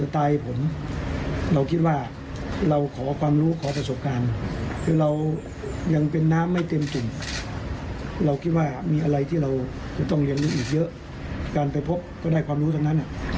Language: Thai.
ถ้ามีโอกาสก็อยากไปพบกัน